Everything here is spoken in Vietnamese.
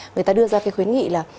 người ta đưa ra cái khuyến nghị là